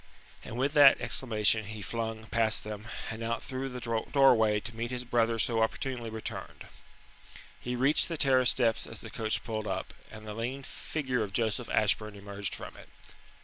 And with that exclamation he flung past them, and out through the doorway to meet his brother so opportunely returned. He reached the terrace steps as the coach pulled up, and the lean figure of Joseph Ashburn emerged from it.